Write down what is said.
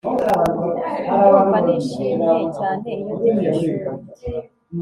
Ndumva nishimye cyane iyo ndi mwishuri